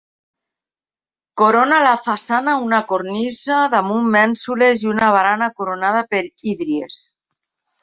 Corona la façana una cornisa damunt mènsules i una barana coronada per hídries.